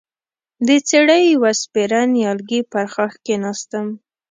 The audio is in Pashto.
د څېړۍ د يوه سپېره نيالګي پر ښاخ کېناستم،